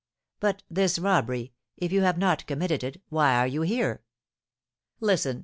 "But this robbery, if you have not committed it, why are you here?" "Listen!